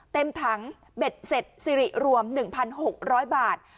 เต็มถังเบ็ดเสร็จสิริรวม๑๖๐๐บาท